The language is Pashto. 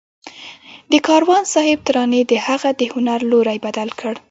د کاروان صاحب ترانې د هغه د هنر لوری بدل کړ